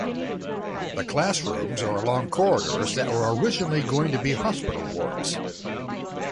The classrooms are along corridors that were originally going to be hospital wards.